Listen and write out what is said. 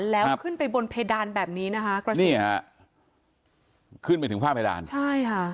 แล้วขึ้นไปบนเพดานแบบนี้นะคะกระสุนนี่ฮะขึ้นไปถึงฝ้าเพดานใช่ค่ะ